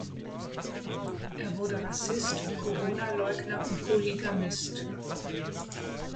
Er wurde Rassist, Coronaleugner und Polygamist.